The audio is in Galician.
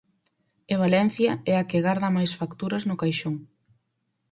E Valencia é a que garda máis facturas no caixón.